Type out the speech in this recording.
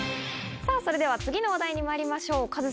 さあ、それでは次の話題にまいりましょう。